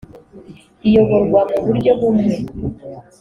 iyoborwa mu buryo bumwe